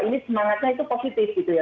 ini semangatnya itu positif gitu ya